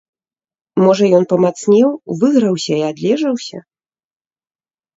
Можа ён памацнеў, выграўся і адлежаўся.